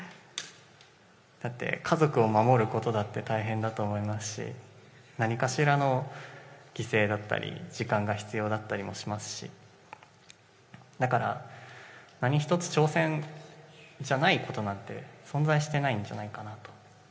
だって家族を守ることだって大変だと思いますし、何かしらの犠牲だったり時間が必要だったりもしますしだから、何一つ挑戦じゃないことなんて存在していないんじゃないかなと。